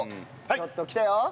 ちょっときたよ。